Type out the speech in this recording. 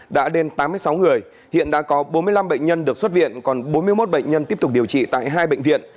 đã đến tám mươi sáu người hiện đã có bốn mươi năm bệnh nhân được xuất viện còn bốn mươi một bệnh nhân tiếp tục điều trị tại hai bệnh viện